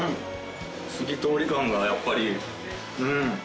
透き通り感がやっぱりうん！